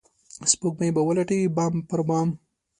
سپوږمۍ به ولټوي بام پر بام